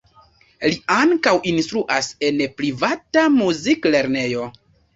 Li ankaŭ instruas en privata muziklernejo.